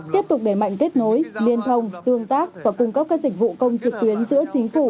tiếp tục đẩy mạnh kết nối liên thông tương tác và cung cấp các dịch vụ công trực tuyến giữa chính phủ